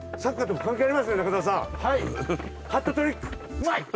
うまい！